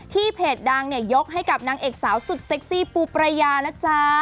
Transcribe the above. เพจดังเนี่ยยกให้กับนางเอกสาวสุดเซ็กซี่ปูประยานะจ๊ะ